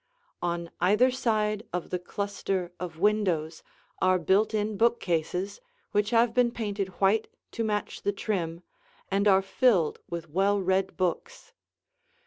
On either side of the cluster of windows are built in bookcases which have been painted white to match the trim and are filled with well read books.